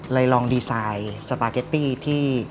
ลองดีไซน์สปาเกตตี้ที่